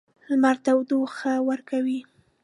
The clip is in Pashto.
لمر تودوخه ورکوي.